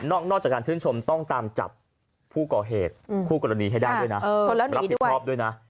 นอกจากการชื่นชมต้องตามจับผู้ก่อเหตุผู้กรณีให้ได้ด้วยนะ